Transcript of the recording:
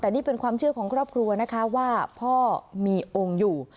แต่นี่เป็นความเชื่อของครอบครัวนะคะว่าพ่อมีองค์อยู่